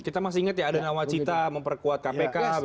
kita masih ingat ya ada nawacita memperkuat kpk